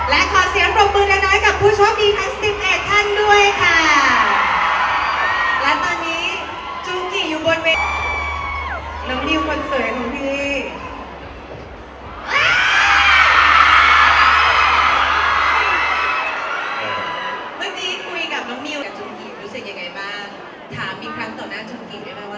และขอเสียงปรบมือน้อยกับผู้โชคดีทั้ง๑๑ท่านด้วยค่ะ